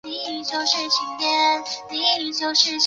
这是以吉卜林的著名原作为基础所做的动画。